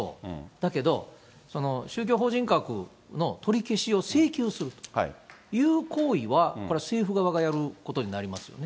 だけど、宗教法人格の取り消しを請求するという行為は、これは政府側がやることになりますよね。